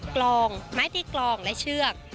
กลองไม้ตีกลองและเชือก